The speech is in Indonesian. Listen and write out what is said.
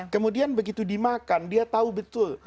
kemudian begitu dimakan dia tahu betul